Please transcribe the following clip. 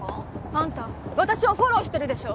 あんた私をフォローしてるでしょ。